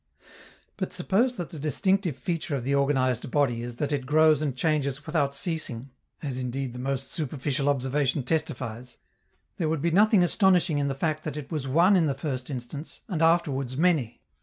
But suppose that the distinctive feature of the organized body is that it grows and changes without ceasing, as indeed the most superficial observation testifies, there would be nothing astonishing in the fact that it was one in the first instance, and afterwards many.